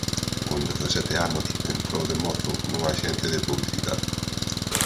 Con dezasete anos entrou de mozo nunha axencia de publicidade.